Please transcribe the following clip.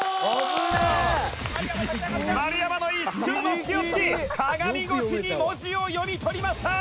「丸山の一瞬の隙をつき鏡越しに文字を読み取りました！」